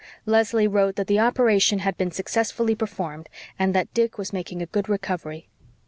Leslie wrote that the operation had been successfully performed and that Dick was making a good recovery.